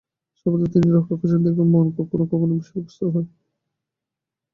সর্বদা তিনি রক্ষা করছেন দেখেও মন কখনও কখনও বিষাদগ্রস্ত হয়।